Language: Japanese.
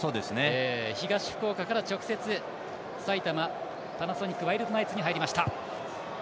東福岡から直接埼玉パナソニックワイルドナイツに入りました。